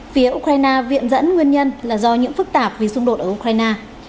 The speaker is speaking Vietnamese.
phía ukraine viện dẫn nguyên nhân là do những phức tạp vì xung đột ở ukraine